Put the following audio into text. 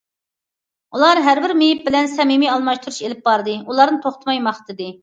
ئۇلار ھەر بىر مېيىپ بىلەن سەمىمىي ئالماشتۇرۇش ئېلىپ باردى، ئۇلارنى توختىماي ماختىدى.